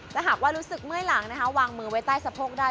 แต่หากว่ารู้สึกเมื่อยหลังนะคะวางมือไว้ใต้สะโพกได้